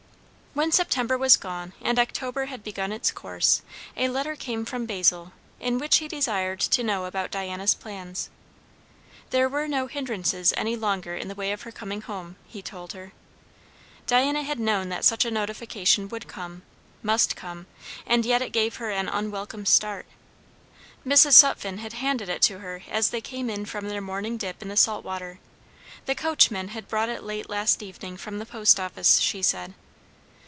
When September was gone and October had begun its course, a letter came from Basil in which he desired to know about Diana's plans. There were no hindrances any longer in the way of her coming home, he told her. Diana had known that such a notification would come, must come, and yet it gave her an unwelcome start. Mrs. Sutphen had handed it to her as they came in from their morning dip in the salt water; the coachman had brought it late last evening from the post office, she said.